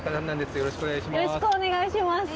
よろしくお願いします。